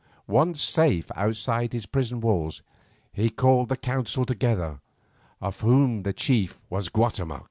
Once safe outside his prison walls, he called the council together, of whom the chief was Guatemoc.